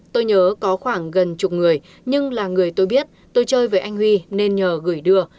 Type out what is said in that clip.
tôi nhớ có khoảng gần chục người nhưng là người tôi biết tôi chơi với anh huy nên nhờ gửi đưa